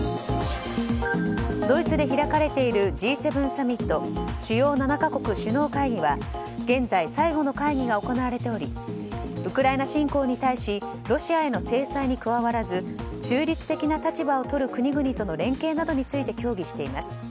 ドイツで開かれているＧ７サミット主要７か国首脳会議は現在、最後の会議が行われておりウクライナ侵攻に対しロシアへの制裁に加わらず中立的な立場をとる国々との連携などについて協議しています。